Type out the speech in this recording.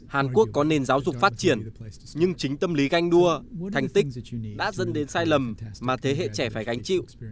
hàn quốc có nền giáo dục phát triển nhưng chính tâm lý ganh đua thành tích đã dân đến sai lầm mà thế hệ trẻ phải gánh chịu